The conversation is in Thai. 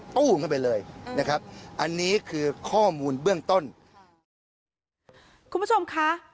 ตู้มเข้าไปเลยนะครับอันนี้คือข้อมูลเบื้องต้นคุณผู้ชมค่ะ